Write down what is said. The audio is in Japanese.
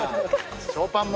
ショーパンも。